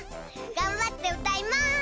がんばってうたいます。